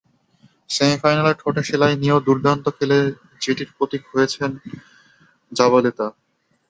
সেমিফাইনালে ঠোঁটে সেলাই নিয়েও দুর্দান্ত খেলে যেটির প্রতীক হয়ে গেছেন জাবালেতা।